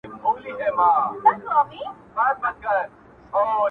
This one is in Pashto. کومه ورځ به پر دې قوم باندي رڼا سي!!